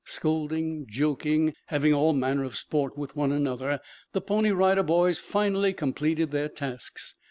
Scolding, joking, having all manner of sport with one another, the Pony Rider Boys finally completed their tasks.